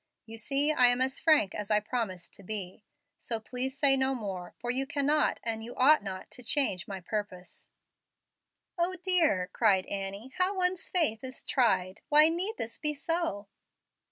You see I am as frank as I promised to be. So please say no more, for you cannot and you ought not to change my purpose." "O dear!" cried Annie, "how one's faith is tried! Why need this be so?"